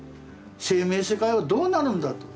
生命世界はどうなるんだと。